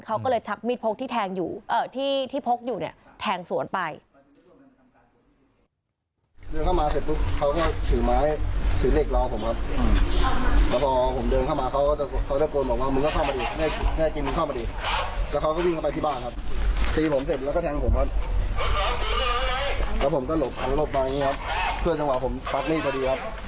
เขาก็เลยชักมีดพกที่แทงอยู่ที่พกอยู่เนี่ยแทงสวนไป